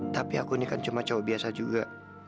tapi aku ini kan cuma cowok biasa juga